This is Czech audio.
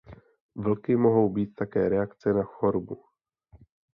Vlky mohou být také reakce na chorobu.